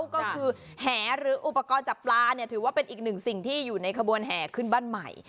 ก็คือแห่หรืออุปกรณ์จับปลาเนี่ยถือว่าเป็นอีกหนึ่งสิ่งที่อยู่ในขบวนแห่ขึ้นบ้านใหม่